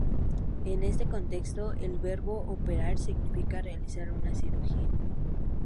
En este contexto, el verbo "operar" significa realizar una cirugía.